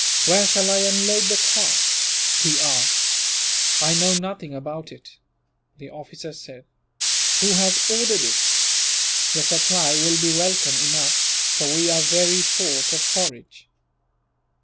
"Where shall I unload the cart?" he asked. "I know nothing about it," the officer said. "Who has ordered it? The supply will be welcome enough, for we are very short of forage."